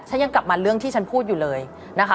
ยังกลับมาเรื่องที่ฉันพูดอยู่เลยนะคะ